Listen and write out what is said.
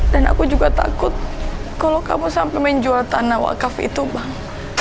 dan aku juga takut kalo kamu sampai menjual tanah wakaf itu bang